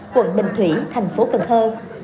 quận bình thủy tp cần thơ